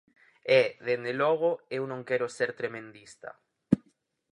E, dende logo, eu non quero ser tremendista.